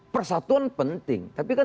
persatuan penting tapi kan